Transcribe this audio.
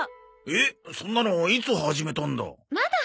えっそんなのいつ始めたんだ？